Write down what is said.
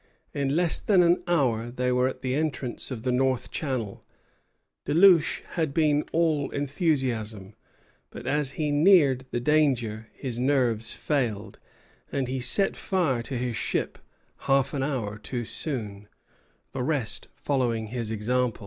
In less than an hour they were at the entrance of the north channel. Delouche had been all enthusiasm; but as he neared the danger his nerves failed, and he set fire to his ship half an hour too soon, the rest following his example.